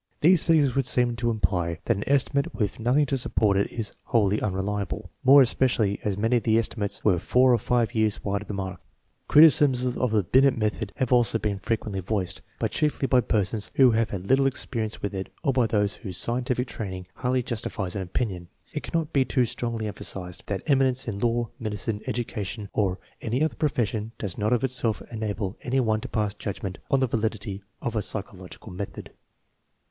These figures would seem to imply that an estimate with nothing to support it is wholly unreliable, more especi ally as many of the estimates were four or five years wide of the mark. 1 Criticisms of the Binet method have also been frequently voiced, but chiefly by persons who have had little experi ence with it or by those whose scientific training hardly justifies an opinion. It cannot be too strongly emphasized that eminence in law, medicine, education, or any other profession does not of itself enable any one to pass judgment on the validity of a psychological method.